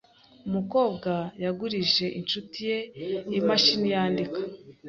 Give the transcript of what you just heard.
Umukobwa yagurije inshuti ye imashini yandika.